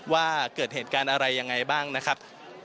ว่าเกิดเหตุการณ์อะไรยังไงบ้างนะครับ